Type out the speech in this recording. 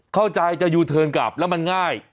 เข้าใจจะยูเทิร์นกลับแล้วมันง่าย